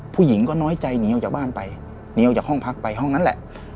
ผู้หญิงก็น้อยใจหนีออกจากบ้านไปหนีออกจากห้องพักไปห้องนั้นแหละ